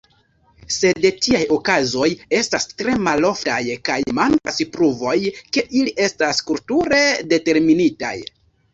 Sed tiaj okazoj estas tre maloftaj, kaj mankas pruvoj, ke ili estas kulture determinitaj.